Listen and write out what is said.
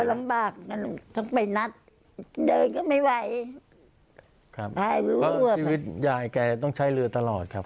ลำบากนะลูกต้องไปนัดเดินก็ไม่ไหวครับคือยายแกต้องใช้เรือตลอดครับ